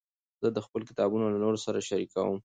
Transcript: زه خپل کتابونه له نورو سره شریکوم.